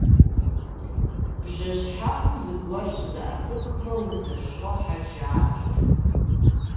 Бжэщхьэӏум зыгуэр щызэӏэпыпхмэ, узэщохьэ жаӏэрт.